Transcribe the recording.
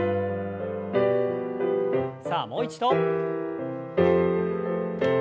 さあもう一度。